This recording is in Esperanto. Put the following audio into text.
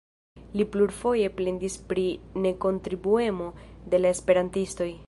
Li plurfoje plendis pri nekontribuemo de la esperantistoj.